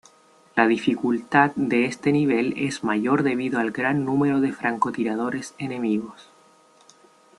La dificultad de este nivel es mayor debido al gran número de francotiradores enemigos.